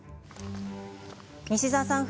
西澤さん